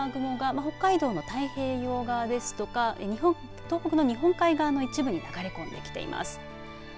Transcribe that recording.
黄色や赤で示した発達した雨雲が北海道の太平洋側ですとか東北の日本海側の一部に流れ込んできてます。